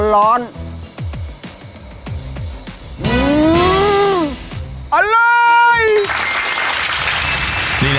๑๐๕นกฐนเอามอบให้นักเรียน